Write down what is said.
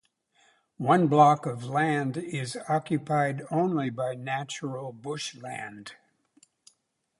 One block of land is occupied only by natural bushland.